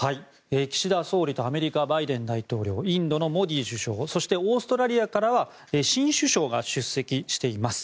岸田総理とアメリカのバイデン大統領インドのモディ首相そして、オーストラリアからは新首相が出席しています。